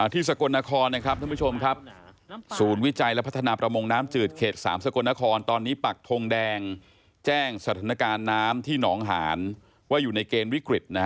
ที่สกลนครสูญวิจัยและพัฒนาประมงน้ำจืดเข็ดสามสกลนครตอนนี้ปักทงแดงแจ้งสถานการณ์น้ำที่หนองหานว่าอยู่ในเกณฑ์วิกฤต